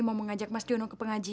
mau mengajak mas jono ke pengajaran